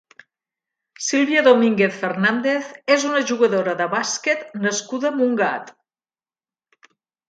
Silvia Domínguez Fernández és una jugadora de bàsquet nascuda a Montgat.